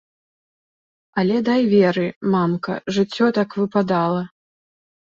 Але дай веры, мамка, жыццё так выпадала.